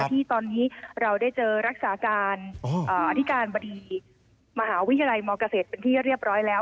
ที่ตอนนี้เราได้เจอรักษาการอธิการบดีมหาวิทยาลัยมเกษตรเป็นที่เรียบร้อยแล้ว